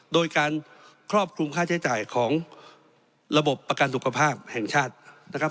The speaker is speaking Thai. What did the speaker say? โดยการครอบคลุมค่าใช้จ่ายของระบบประกันสุขภาพแห่งชาตินะครับ